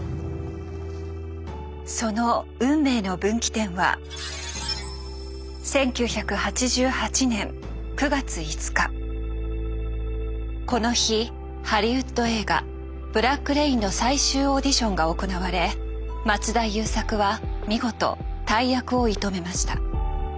その運命の分岐点はこの日ハリウッド映画「ブラック・レイン」の最終オーディションが行われ松田優作は見事大役を射止めました。